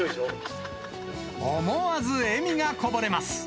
思わず笑みがこぼれます。